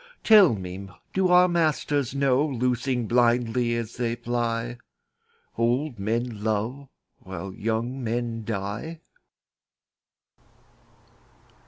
Tell me, do our masters know, Loosing blindly as they fly, Old men love while young men die?